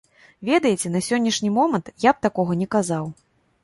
Ведаеце, на сённяшні момант я б такога не казаў.